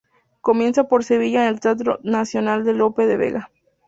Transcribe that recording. Comienza por Sevilla en el Teatro Nacional de Lope de Vega.